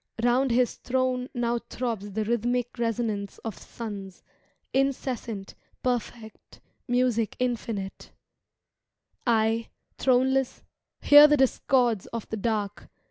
Round His throne Now throbs the rhythmic resonance of suns. Incessant, perfect, music infinite: I, throneless, hear the discords of the dark.